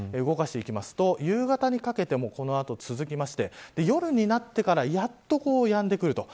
動かしていくと夕方にかけてもこの後続きまして夜になってからやっとやんでくる。